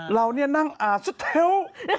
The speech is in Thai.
ราวเนี้ยนั่งอ่านสดแท้ว